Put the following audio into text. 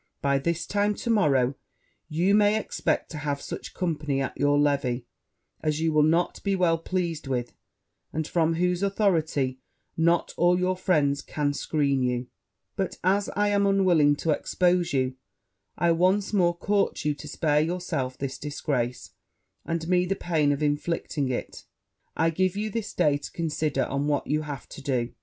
By this time to morrow you may expect to have such company at your levee as you will not be well pleased with, and from whose authority not all your friends can screen you: but, as I am unwilling to expose you, I once more court you to spare yourself this disgrace, and me the pain of inflicting it. I give you this day to consider on what you have to do.